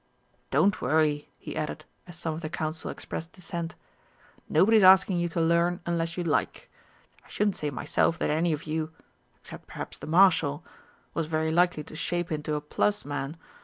Don't worry," he added, as some of the Council expressed dissent, "nobody's asking you to learn unless you like. I shouldn't say myself that any of you except perhaps the Marshal was very likely to shape into a 'plus' man.